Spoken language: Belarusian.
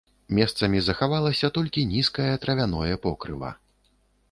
Месцамі захавалася толькі нізкае травяное покрыва.